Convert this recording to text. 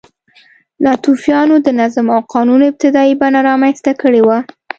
ناتوفیانو د نظم او قانون ابتدايي بڼه رامنځته کړې وه.